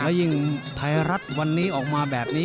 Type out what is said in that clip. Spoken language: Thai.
ยิ่งไทยรัฐวันนี้ออกมาแบบนี้